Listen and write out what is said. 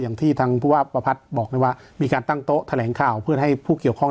อย่างที่ทางผู้ว่าประพัทธ์บอกเลยว่ามีการตั้งโต๊ะแถลงข่าวเพื่อให้ผู้เกี่ยวข้อง